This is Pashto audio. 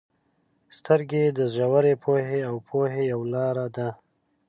• سترګې د ژورې پوهې او پوهې یو لار ده.